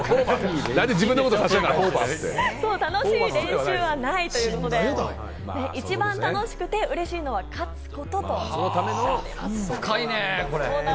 楽しい練習はないということで、一番楽しくて、うれしいのは勝つことと続きます。